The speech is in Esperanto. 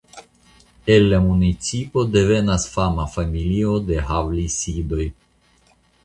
El la municipo devenas fama familio de Havlasidoj.